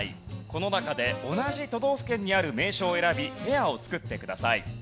この中で同じ都道府県にある名所を選びペアを作ってください。